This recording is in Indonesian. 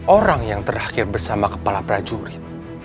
orang yang terakhir bersama kepala prajurit